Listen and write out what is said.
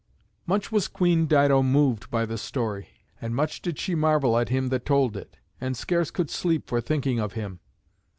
Much was Queen Dido moved by the story, and much did she marvel at him that told it, and scarce could sleep for thinking of him.